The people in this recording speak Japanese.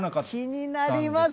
気になります？